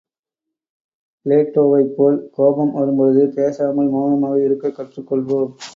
பிளேட்டோவைப்போல் கோபம் வரும் பொழுது பேசாமல் மெளனமாக இருக்கக் கற்றுக்கொள்வோம்!